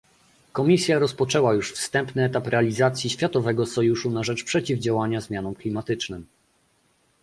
Komisja rozpoczęła już wstępny etap realizacji światowego sojuszu na rzecz przeciwdziałania zmianom klimatycznym